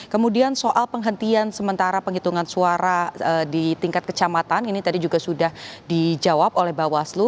kemudian soal penghentian sementara penghitungan suara di tingkat kecamatan ini tadi juga sudah dijawab oleh bawaslu